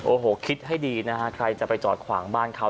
โอ้โหคิดให้ดีนะฮะใครจะไปจอดขวางบ้านเขา